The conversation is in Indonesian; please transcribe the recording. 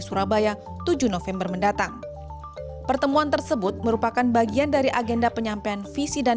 surabaya tujuh november mendatang pertemuan tersebut merupakan bagian dari agenda penyampaian visi dan